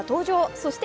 そして